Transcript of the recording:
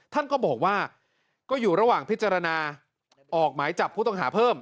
ท่านก็บอกว่าก็อยู่ระหว่างพิจารณาออกหมายจับผู้ต้องหาเพิ่ม